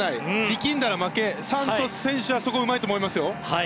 力んだら負けサントス選手はそこがうまいと思いますよ。